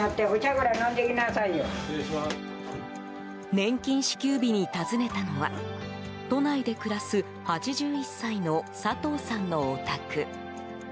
年金支給日に訪ねたのは都内で暮らす８１歳の佐藤さんのお宅。